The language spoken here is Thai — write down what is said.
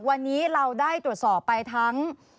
วันนี้เราได้ตรวจสอบไปทั้ง